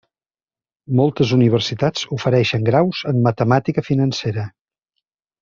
Moltes universitats ofereixen graus en matemàtica financera.